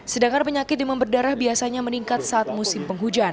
sedangkan penyakit demam berdarah biasanya meningkat saat musim penghujan